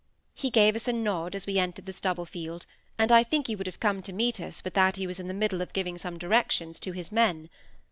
He gave us a nod as we entered the stubble field; and I think he would have come to meet us but that he was in the middle of giving some directions to his men.